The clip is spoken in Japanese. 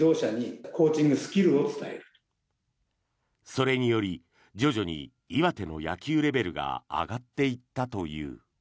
それにより徐々に岩手の野球レベルが上がっていったという。